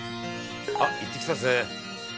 「あっ行ってきたんですね」